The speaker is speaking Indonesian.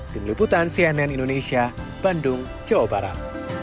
tim liputan cnn indonesia bandung jawa barat